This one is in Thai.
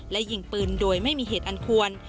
และยิงปืนโดยไม่มีเหตุอันควร